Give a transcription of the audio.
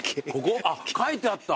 あっ書いてあった！